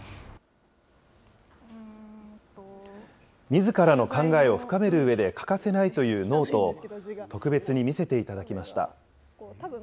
みずからの考えを深めるうえで欠かせないというノートを、特別に見せていただきました。